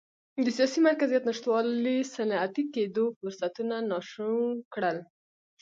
د سیاسي مرکزیت نشتوالي صنعتي کېدو فرصتونه ناشو کړل.